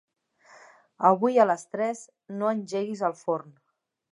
Avui a les tres no engeguis el forn.